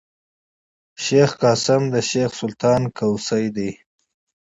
شېخ قاسم د شېخ سلطان کوسی دﺉ.